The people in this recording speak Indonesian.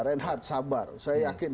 reinhardt sabar saya yakin